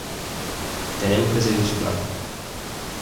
Tenemos que seguir su plan".